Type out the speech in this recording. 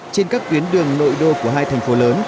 trên các tuyến đường nội đô của hai thành phố lớn